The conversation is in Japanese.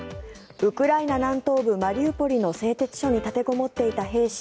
ウクライナ南東部マリウポリの製鉄所に立てこもっていた兵士